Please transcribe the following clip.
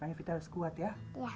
kayaknya fitri harus kuat ya